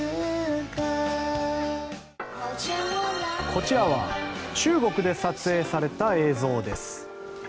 こちらは中国で撮影された映像です。